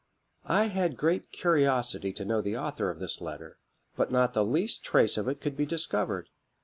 "I had a great curiosity to know the author of this letter, but not the least trace of it could be discovered.